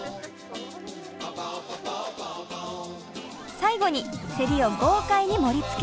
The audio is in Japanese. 最後にセリを豪快に盛りつけ。